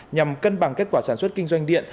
nhằm cân bằng kết quả sản xuất kinh doanh điện